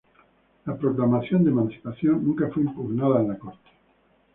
La Proclamación de Emancipación nunca fue impugnada en la corte.